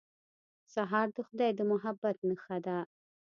سهار د خدای د محبت نښه ده.